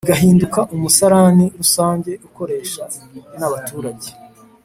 igahinduka umusarani rusange ukoresha nabaturage